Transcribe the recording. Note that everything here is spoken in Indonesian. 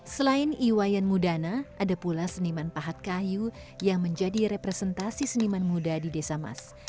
selain iwayan mudana ada pula seniman pahat kayu yang menjadi representasi seniman muda di desa mas